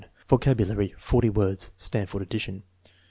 Vocabulary, 40 words. (Stanford addition.)